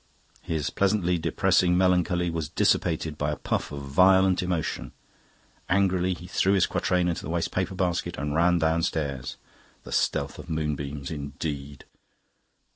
His pleasantly depressing melancholy was dissipated by a puff of violent emotion; angrily he threw his quatrain into the waste paper basket and ran downstairs. "The stealth of moonbeams," indeed!